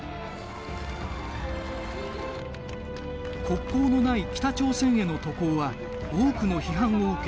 国交のない北朝鮮への渡航は多くの批判を受け